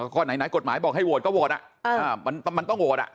ก็ไหนกฎหมายบอกให้โหวตก็โหวตมันต้องโหวต